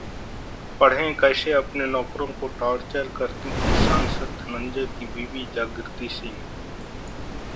पढ़ें कैसे अपने नौकरों को टॉर्चर करती थी सांसद धनंजय की बीवी जागृति सिंह?